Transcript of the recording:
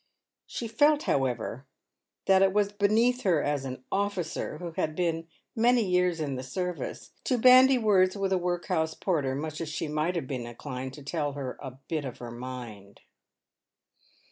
She felt, however, that it was beneath her as an " officer," who had been " many years in the service," to bandy words with a workhouse porter, much as she might have been inclined to tell him u a bit of her mind."